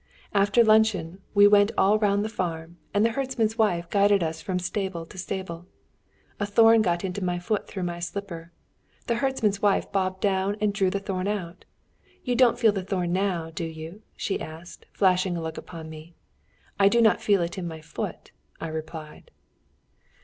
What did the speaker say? After luncheon we went all round the farm, and the herdsman's wife guided us from stable to stable. A thorn got into my foot through my slipper. The herdsman's wife bobbed down and drew the thorn out. 'You don't feel the thorn now, do you?' she asked, flashing a look upon me. 'I do not feel it in my foot,' I replied."